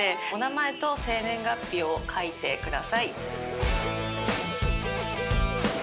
お名前と生年月日を書いてください。